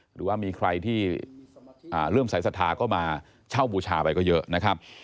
หรือว่ามีใครที่เริ่มสายศรัทธาก็มาเช่าบูชาไปก็เยอะนะครับ